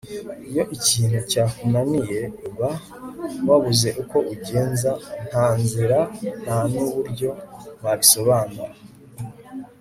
iyo ikintu cyakunaniye uba wabuze uko ugenza ntanzira nta n'uburyo wabisobanura